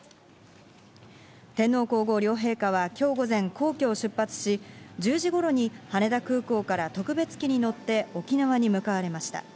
天皇皇后両陛下はきょう午前、皇居を出発し、１０時頃に羽田空港から特別機に乗って沖縄へ向かわれました。